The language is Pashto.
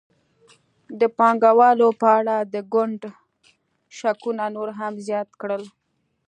د پانګوالو په اړه د ګوند شکونه نور هم زیات کړل.